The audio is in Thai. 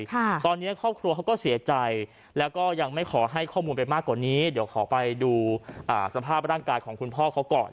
ตอนนี้ครอบครัวเขาก็เสียใจแล้วก็ยังไม่ขอให้ข้อมูลไปมากกว่านี้เดี๋ยวขอไปดูอ่าสภาพร่างกายของคุณพ่อเขาก่อน